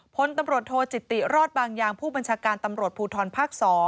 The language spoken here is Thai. พลตำรวจโทจิติรอดบางยางผู้บัญชาการตำรวจภูทรภาค๒